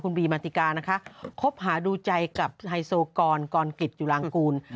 บีมาติกานะคะคบหาดูใจกับไฮโซกรกรกิจจุลางกูล